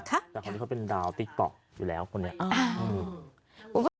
แต่คนนี้เขาเป็นดาวติ๊กต๊อกอยู่แล้วคนนี้